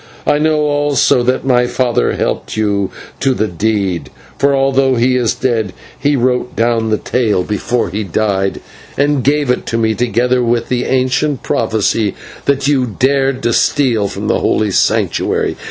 I know also that my father helped you to the deed, for although he is dead, he wrote down that tale before he died, and gave it to me, together with the ancient prophecy that you dared to steal from the holy Sanctuary.